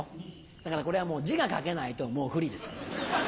だからこれは字が書けないともう不利ですよ。